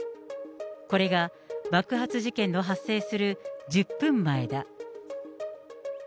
これが爆発事件の発生する１０分前だ。